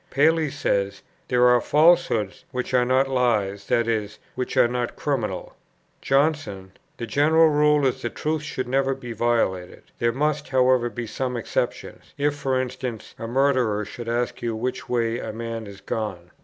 Paley says: "There are falsehoods, which are not lies, that is, which are not criminal." Johnson: "The general rule is, that truth should never be violated; there must, however, be some exceptions. If, for instance, a murderer should ask you which way a man is gone."